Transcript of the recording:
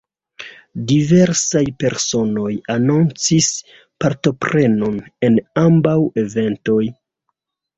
Diversaj personoj anoncis partoprenon en ambaŭ eventoj.